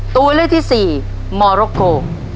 ตัวเลือกที่สี่มอรกโก